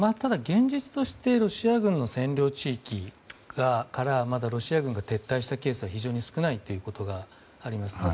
現実としてロシア軍の占領地域からまだロシア軍が撤退したケースが非常に少ないということがあります。